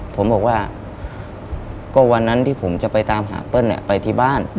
ผมบอกว่าก็วันนั้นที่ผมจะไปตามหาเปิ้ลไปที่บ้าน